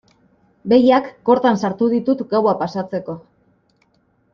Behiak kortan sartu ditut gaua pasatzeko.